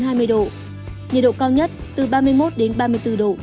nhiệt độ cao nhất từ ba mươi một ba mươi bốn độ có nơi trên ba mươi năm độ